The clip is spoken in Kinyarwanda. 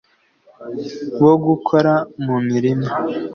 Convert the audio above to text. bo gukora mu mirima